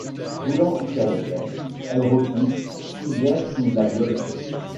Voulant coucher avec elle, elle refuse, si bien qu'il la viole.